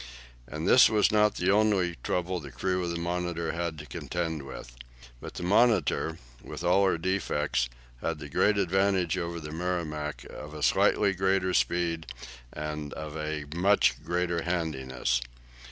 And this was not the only trouble the crew of the "Monitor" had to contend with. But the "Monitor," with all her defects, had the great advantage over the "Merrimac" of a slightly greater speed and of a much greater handiness.